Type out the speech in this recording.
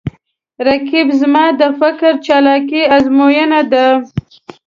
رقیب زما د فکر چالاکي آزموینه ده